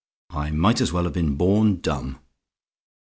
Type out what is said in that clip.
I might as well have been born dumb!